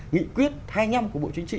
nghị quyết hai mươi năm của bộ chính trị